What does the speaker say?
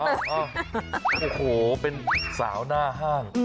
โอ้โหเป็นสาวหน้าห้าง